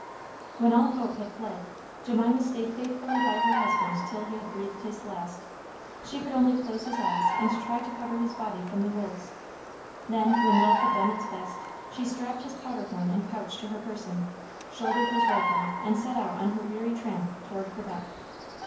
When all hope had fled, Jemima staid faithfully by her husband till he had breathed his last. She could only close his eyes and try to cover his body from the wolves. Then, when love had done its best, she strapped his powder horn and pouch to her person, shouldered his rifle, and set out on her weary tramp toward Quebec.